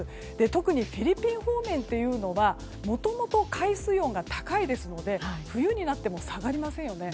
特にフィリピン方面というのはもともと海水温が高いですので冬になっても下がりませんよね。